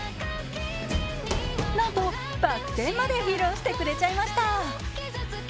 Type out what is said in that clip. なんとバック転まで披露してくれちゃいました。